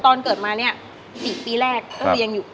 ตอนเกิดมาเนี่ย๔ปีแรกก็คือยังอยู่